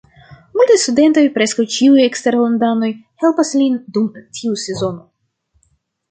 Multaj studentoj, preskaŭ ĉiuj eksterlandanoj, helpas lin dum tiu sezono.